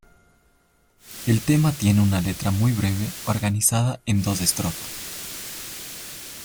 El tema tiene una letra muy breve, organizada en dos estrofas.